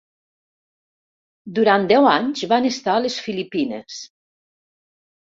Durant deu anys van estar a les Filipines.